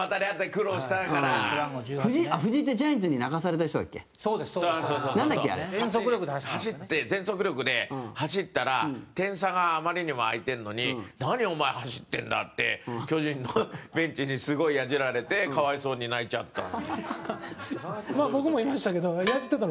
出川：走って、全速力で走ったら点差が、あまりにも開いてるのに何、お前走ってるんだって巨人のベンチにすごいヤジられて可哀想に、泣いちゃったの。